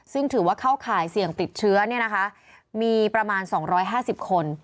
ซึ่งถือว่าเข้าข่ายเสี่ยงติดเชื้อมีประมาณ๒๕๐คน